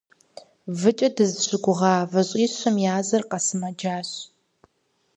Выкӏэ дызыщыгугъа выщӏищым языр къэсымэджащ.